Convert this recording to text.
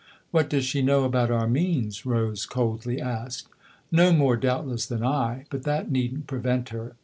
" What does she know about our means ?" Rose coldly asked. " No more, doubtless, than I ! But that needn't prevent her.